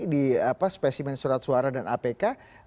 di spesimen surat suara dan apk